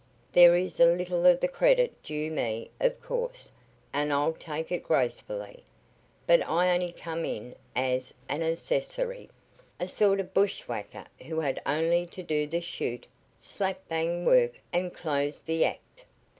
There is a little of the credit due me, of course, and I'll take it gracefully, but I only come in as an accessory, a sort of bushwhacker who had only to do the shoot, slap bang work and close the act.